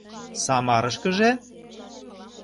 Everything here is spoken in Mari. - Самарышкыже?